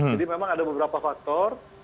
jadi memang ada beberapa faktor